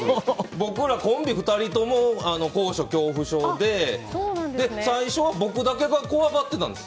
僕らコンビ２人とも高所恐怖症で最初は僕だけが怖がってたんです。